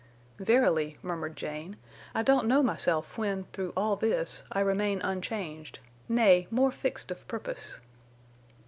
"Verily," murmured Jane, "I don't know myself when, through all this, I remain unchanged—nay, more fixed of purpose."